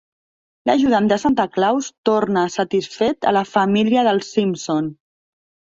L'Ajudant de Santa Claus torna satisfet a la família dels Simpson.